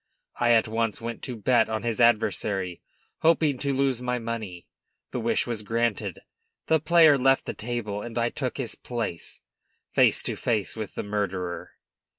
I at once went to bet on his adversary; hoping to lose my money. The wish was granted; the player left the table and I took his place, face to face with the murderer.